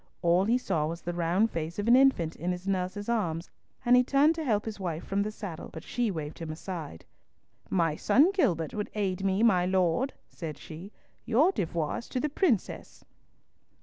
All he saw was the round face of an infant in its nurse's arms, and he turned to help his wife from the saddle, but she waved him aside. "My son Gilbert will aid me, my Lord," said she, "your devoir is to the princess."